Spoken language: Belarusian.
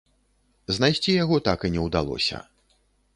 Знайсці яго так і не ўдалося.